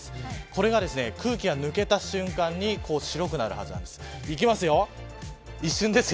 これが空気が抜けた瞬間に白くなるはずなんです。